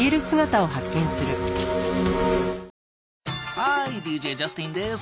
ハーイＤＪジャスティンです。